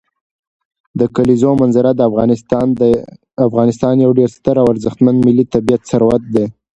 د کلیزو منظره د افغانستان یو ډېر ستر او ارزښتمن ملي طبعي ثروت دی.